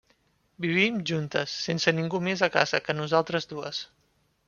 Vivim juntes, sense ningú més a casa que nosaltres dues.